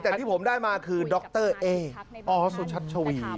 แต่ที่ผมได้มาคือดรเออสุชัชวี